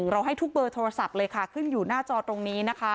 เราให้ทุกเบอร์โทรศัพท์เลยขึ้นอยู่หน้าจอตรงนี้